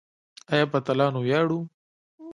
آیا په اتلانو ویاړو؟